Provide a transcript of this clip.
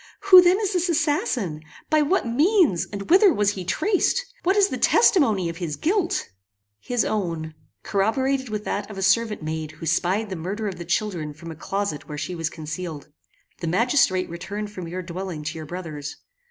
"Who then is this assassin? By what means, and whither was he traced? What is the testimony of his guilt?" "His own, corroborated with that of a servant maid who spied the murder of the children from a closet where she was concealed. The magistrate returned from your dwelling to your brother's.